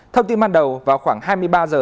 thông tin ban đầu vào khoảng hai mươi ba h